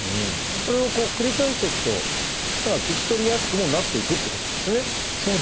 それを繰り返していくと聞き取りやすくもなっていくってことなんですね。